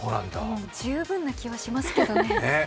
十分な気がしますけれどもね。